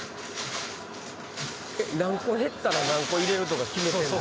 何個減ったら何個入れるとか決めてんの？